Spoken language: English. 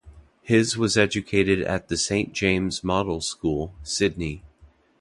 His was educated at the Saint James Model School, Sydney.